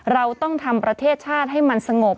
เราต้องทำประเทศชาติให้มันสงบ